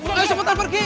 ayo cepetan pergi